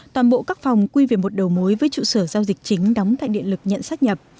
toàn bộ các phòng quy về một đầu mối với trụ sở giao dịch chính đóng tại điện lực nhận sắp nhập